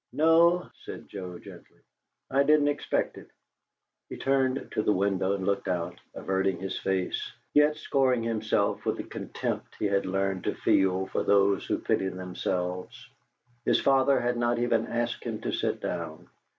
"No," said Joe, gently. "I didn't expect it." He turned to the window and looked out, averting his face, yet scoring himself with the contempt he had learned to feel for those who pity themselves. His father had not even asked him to sit down.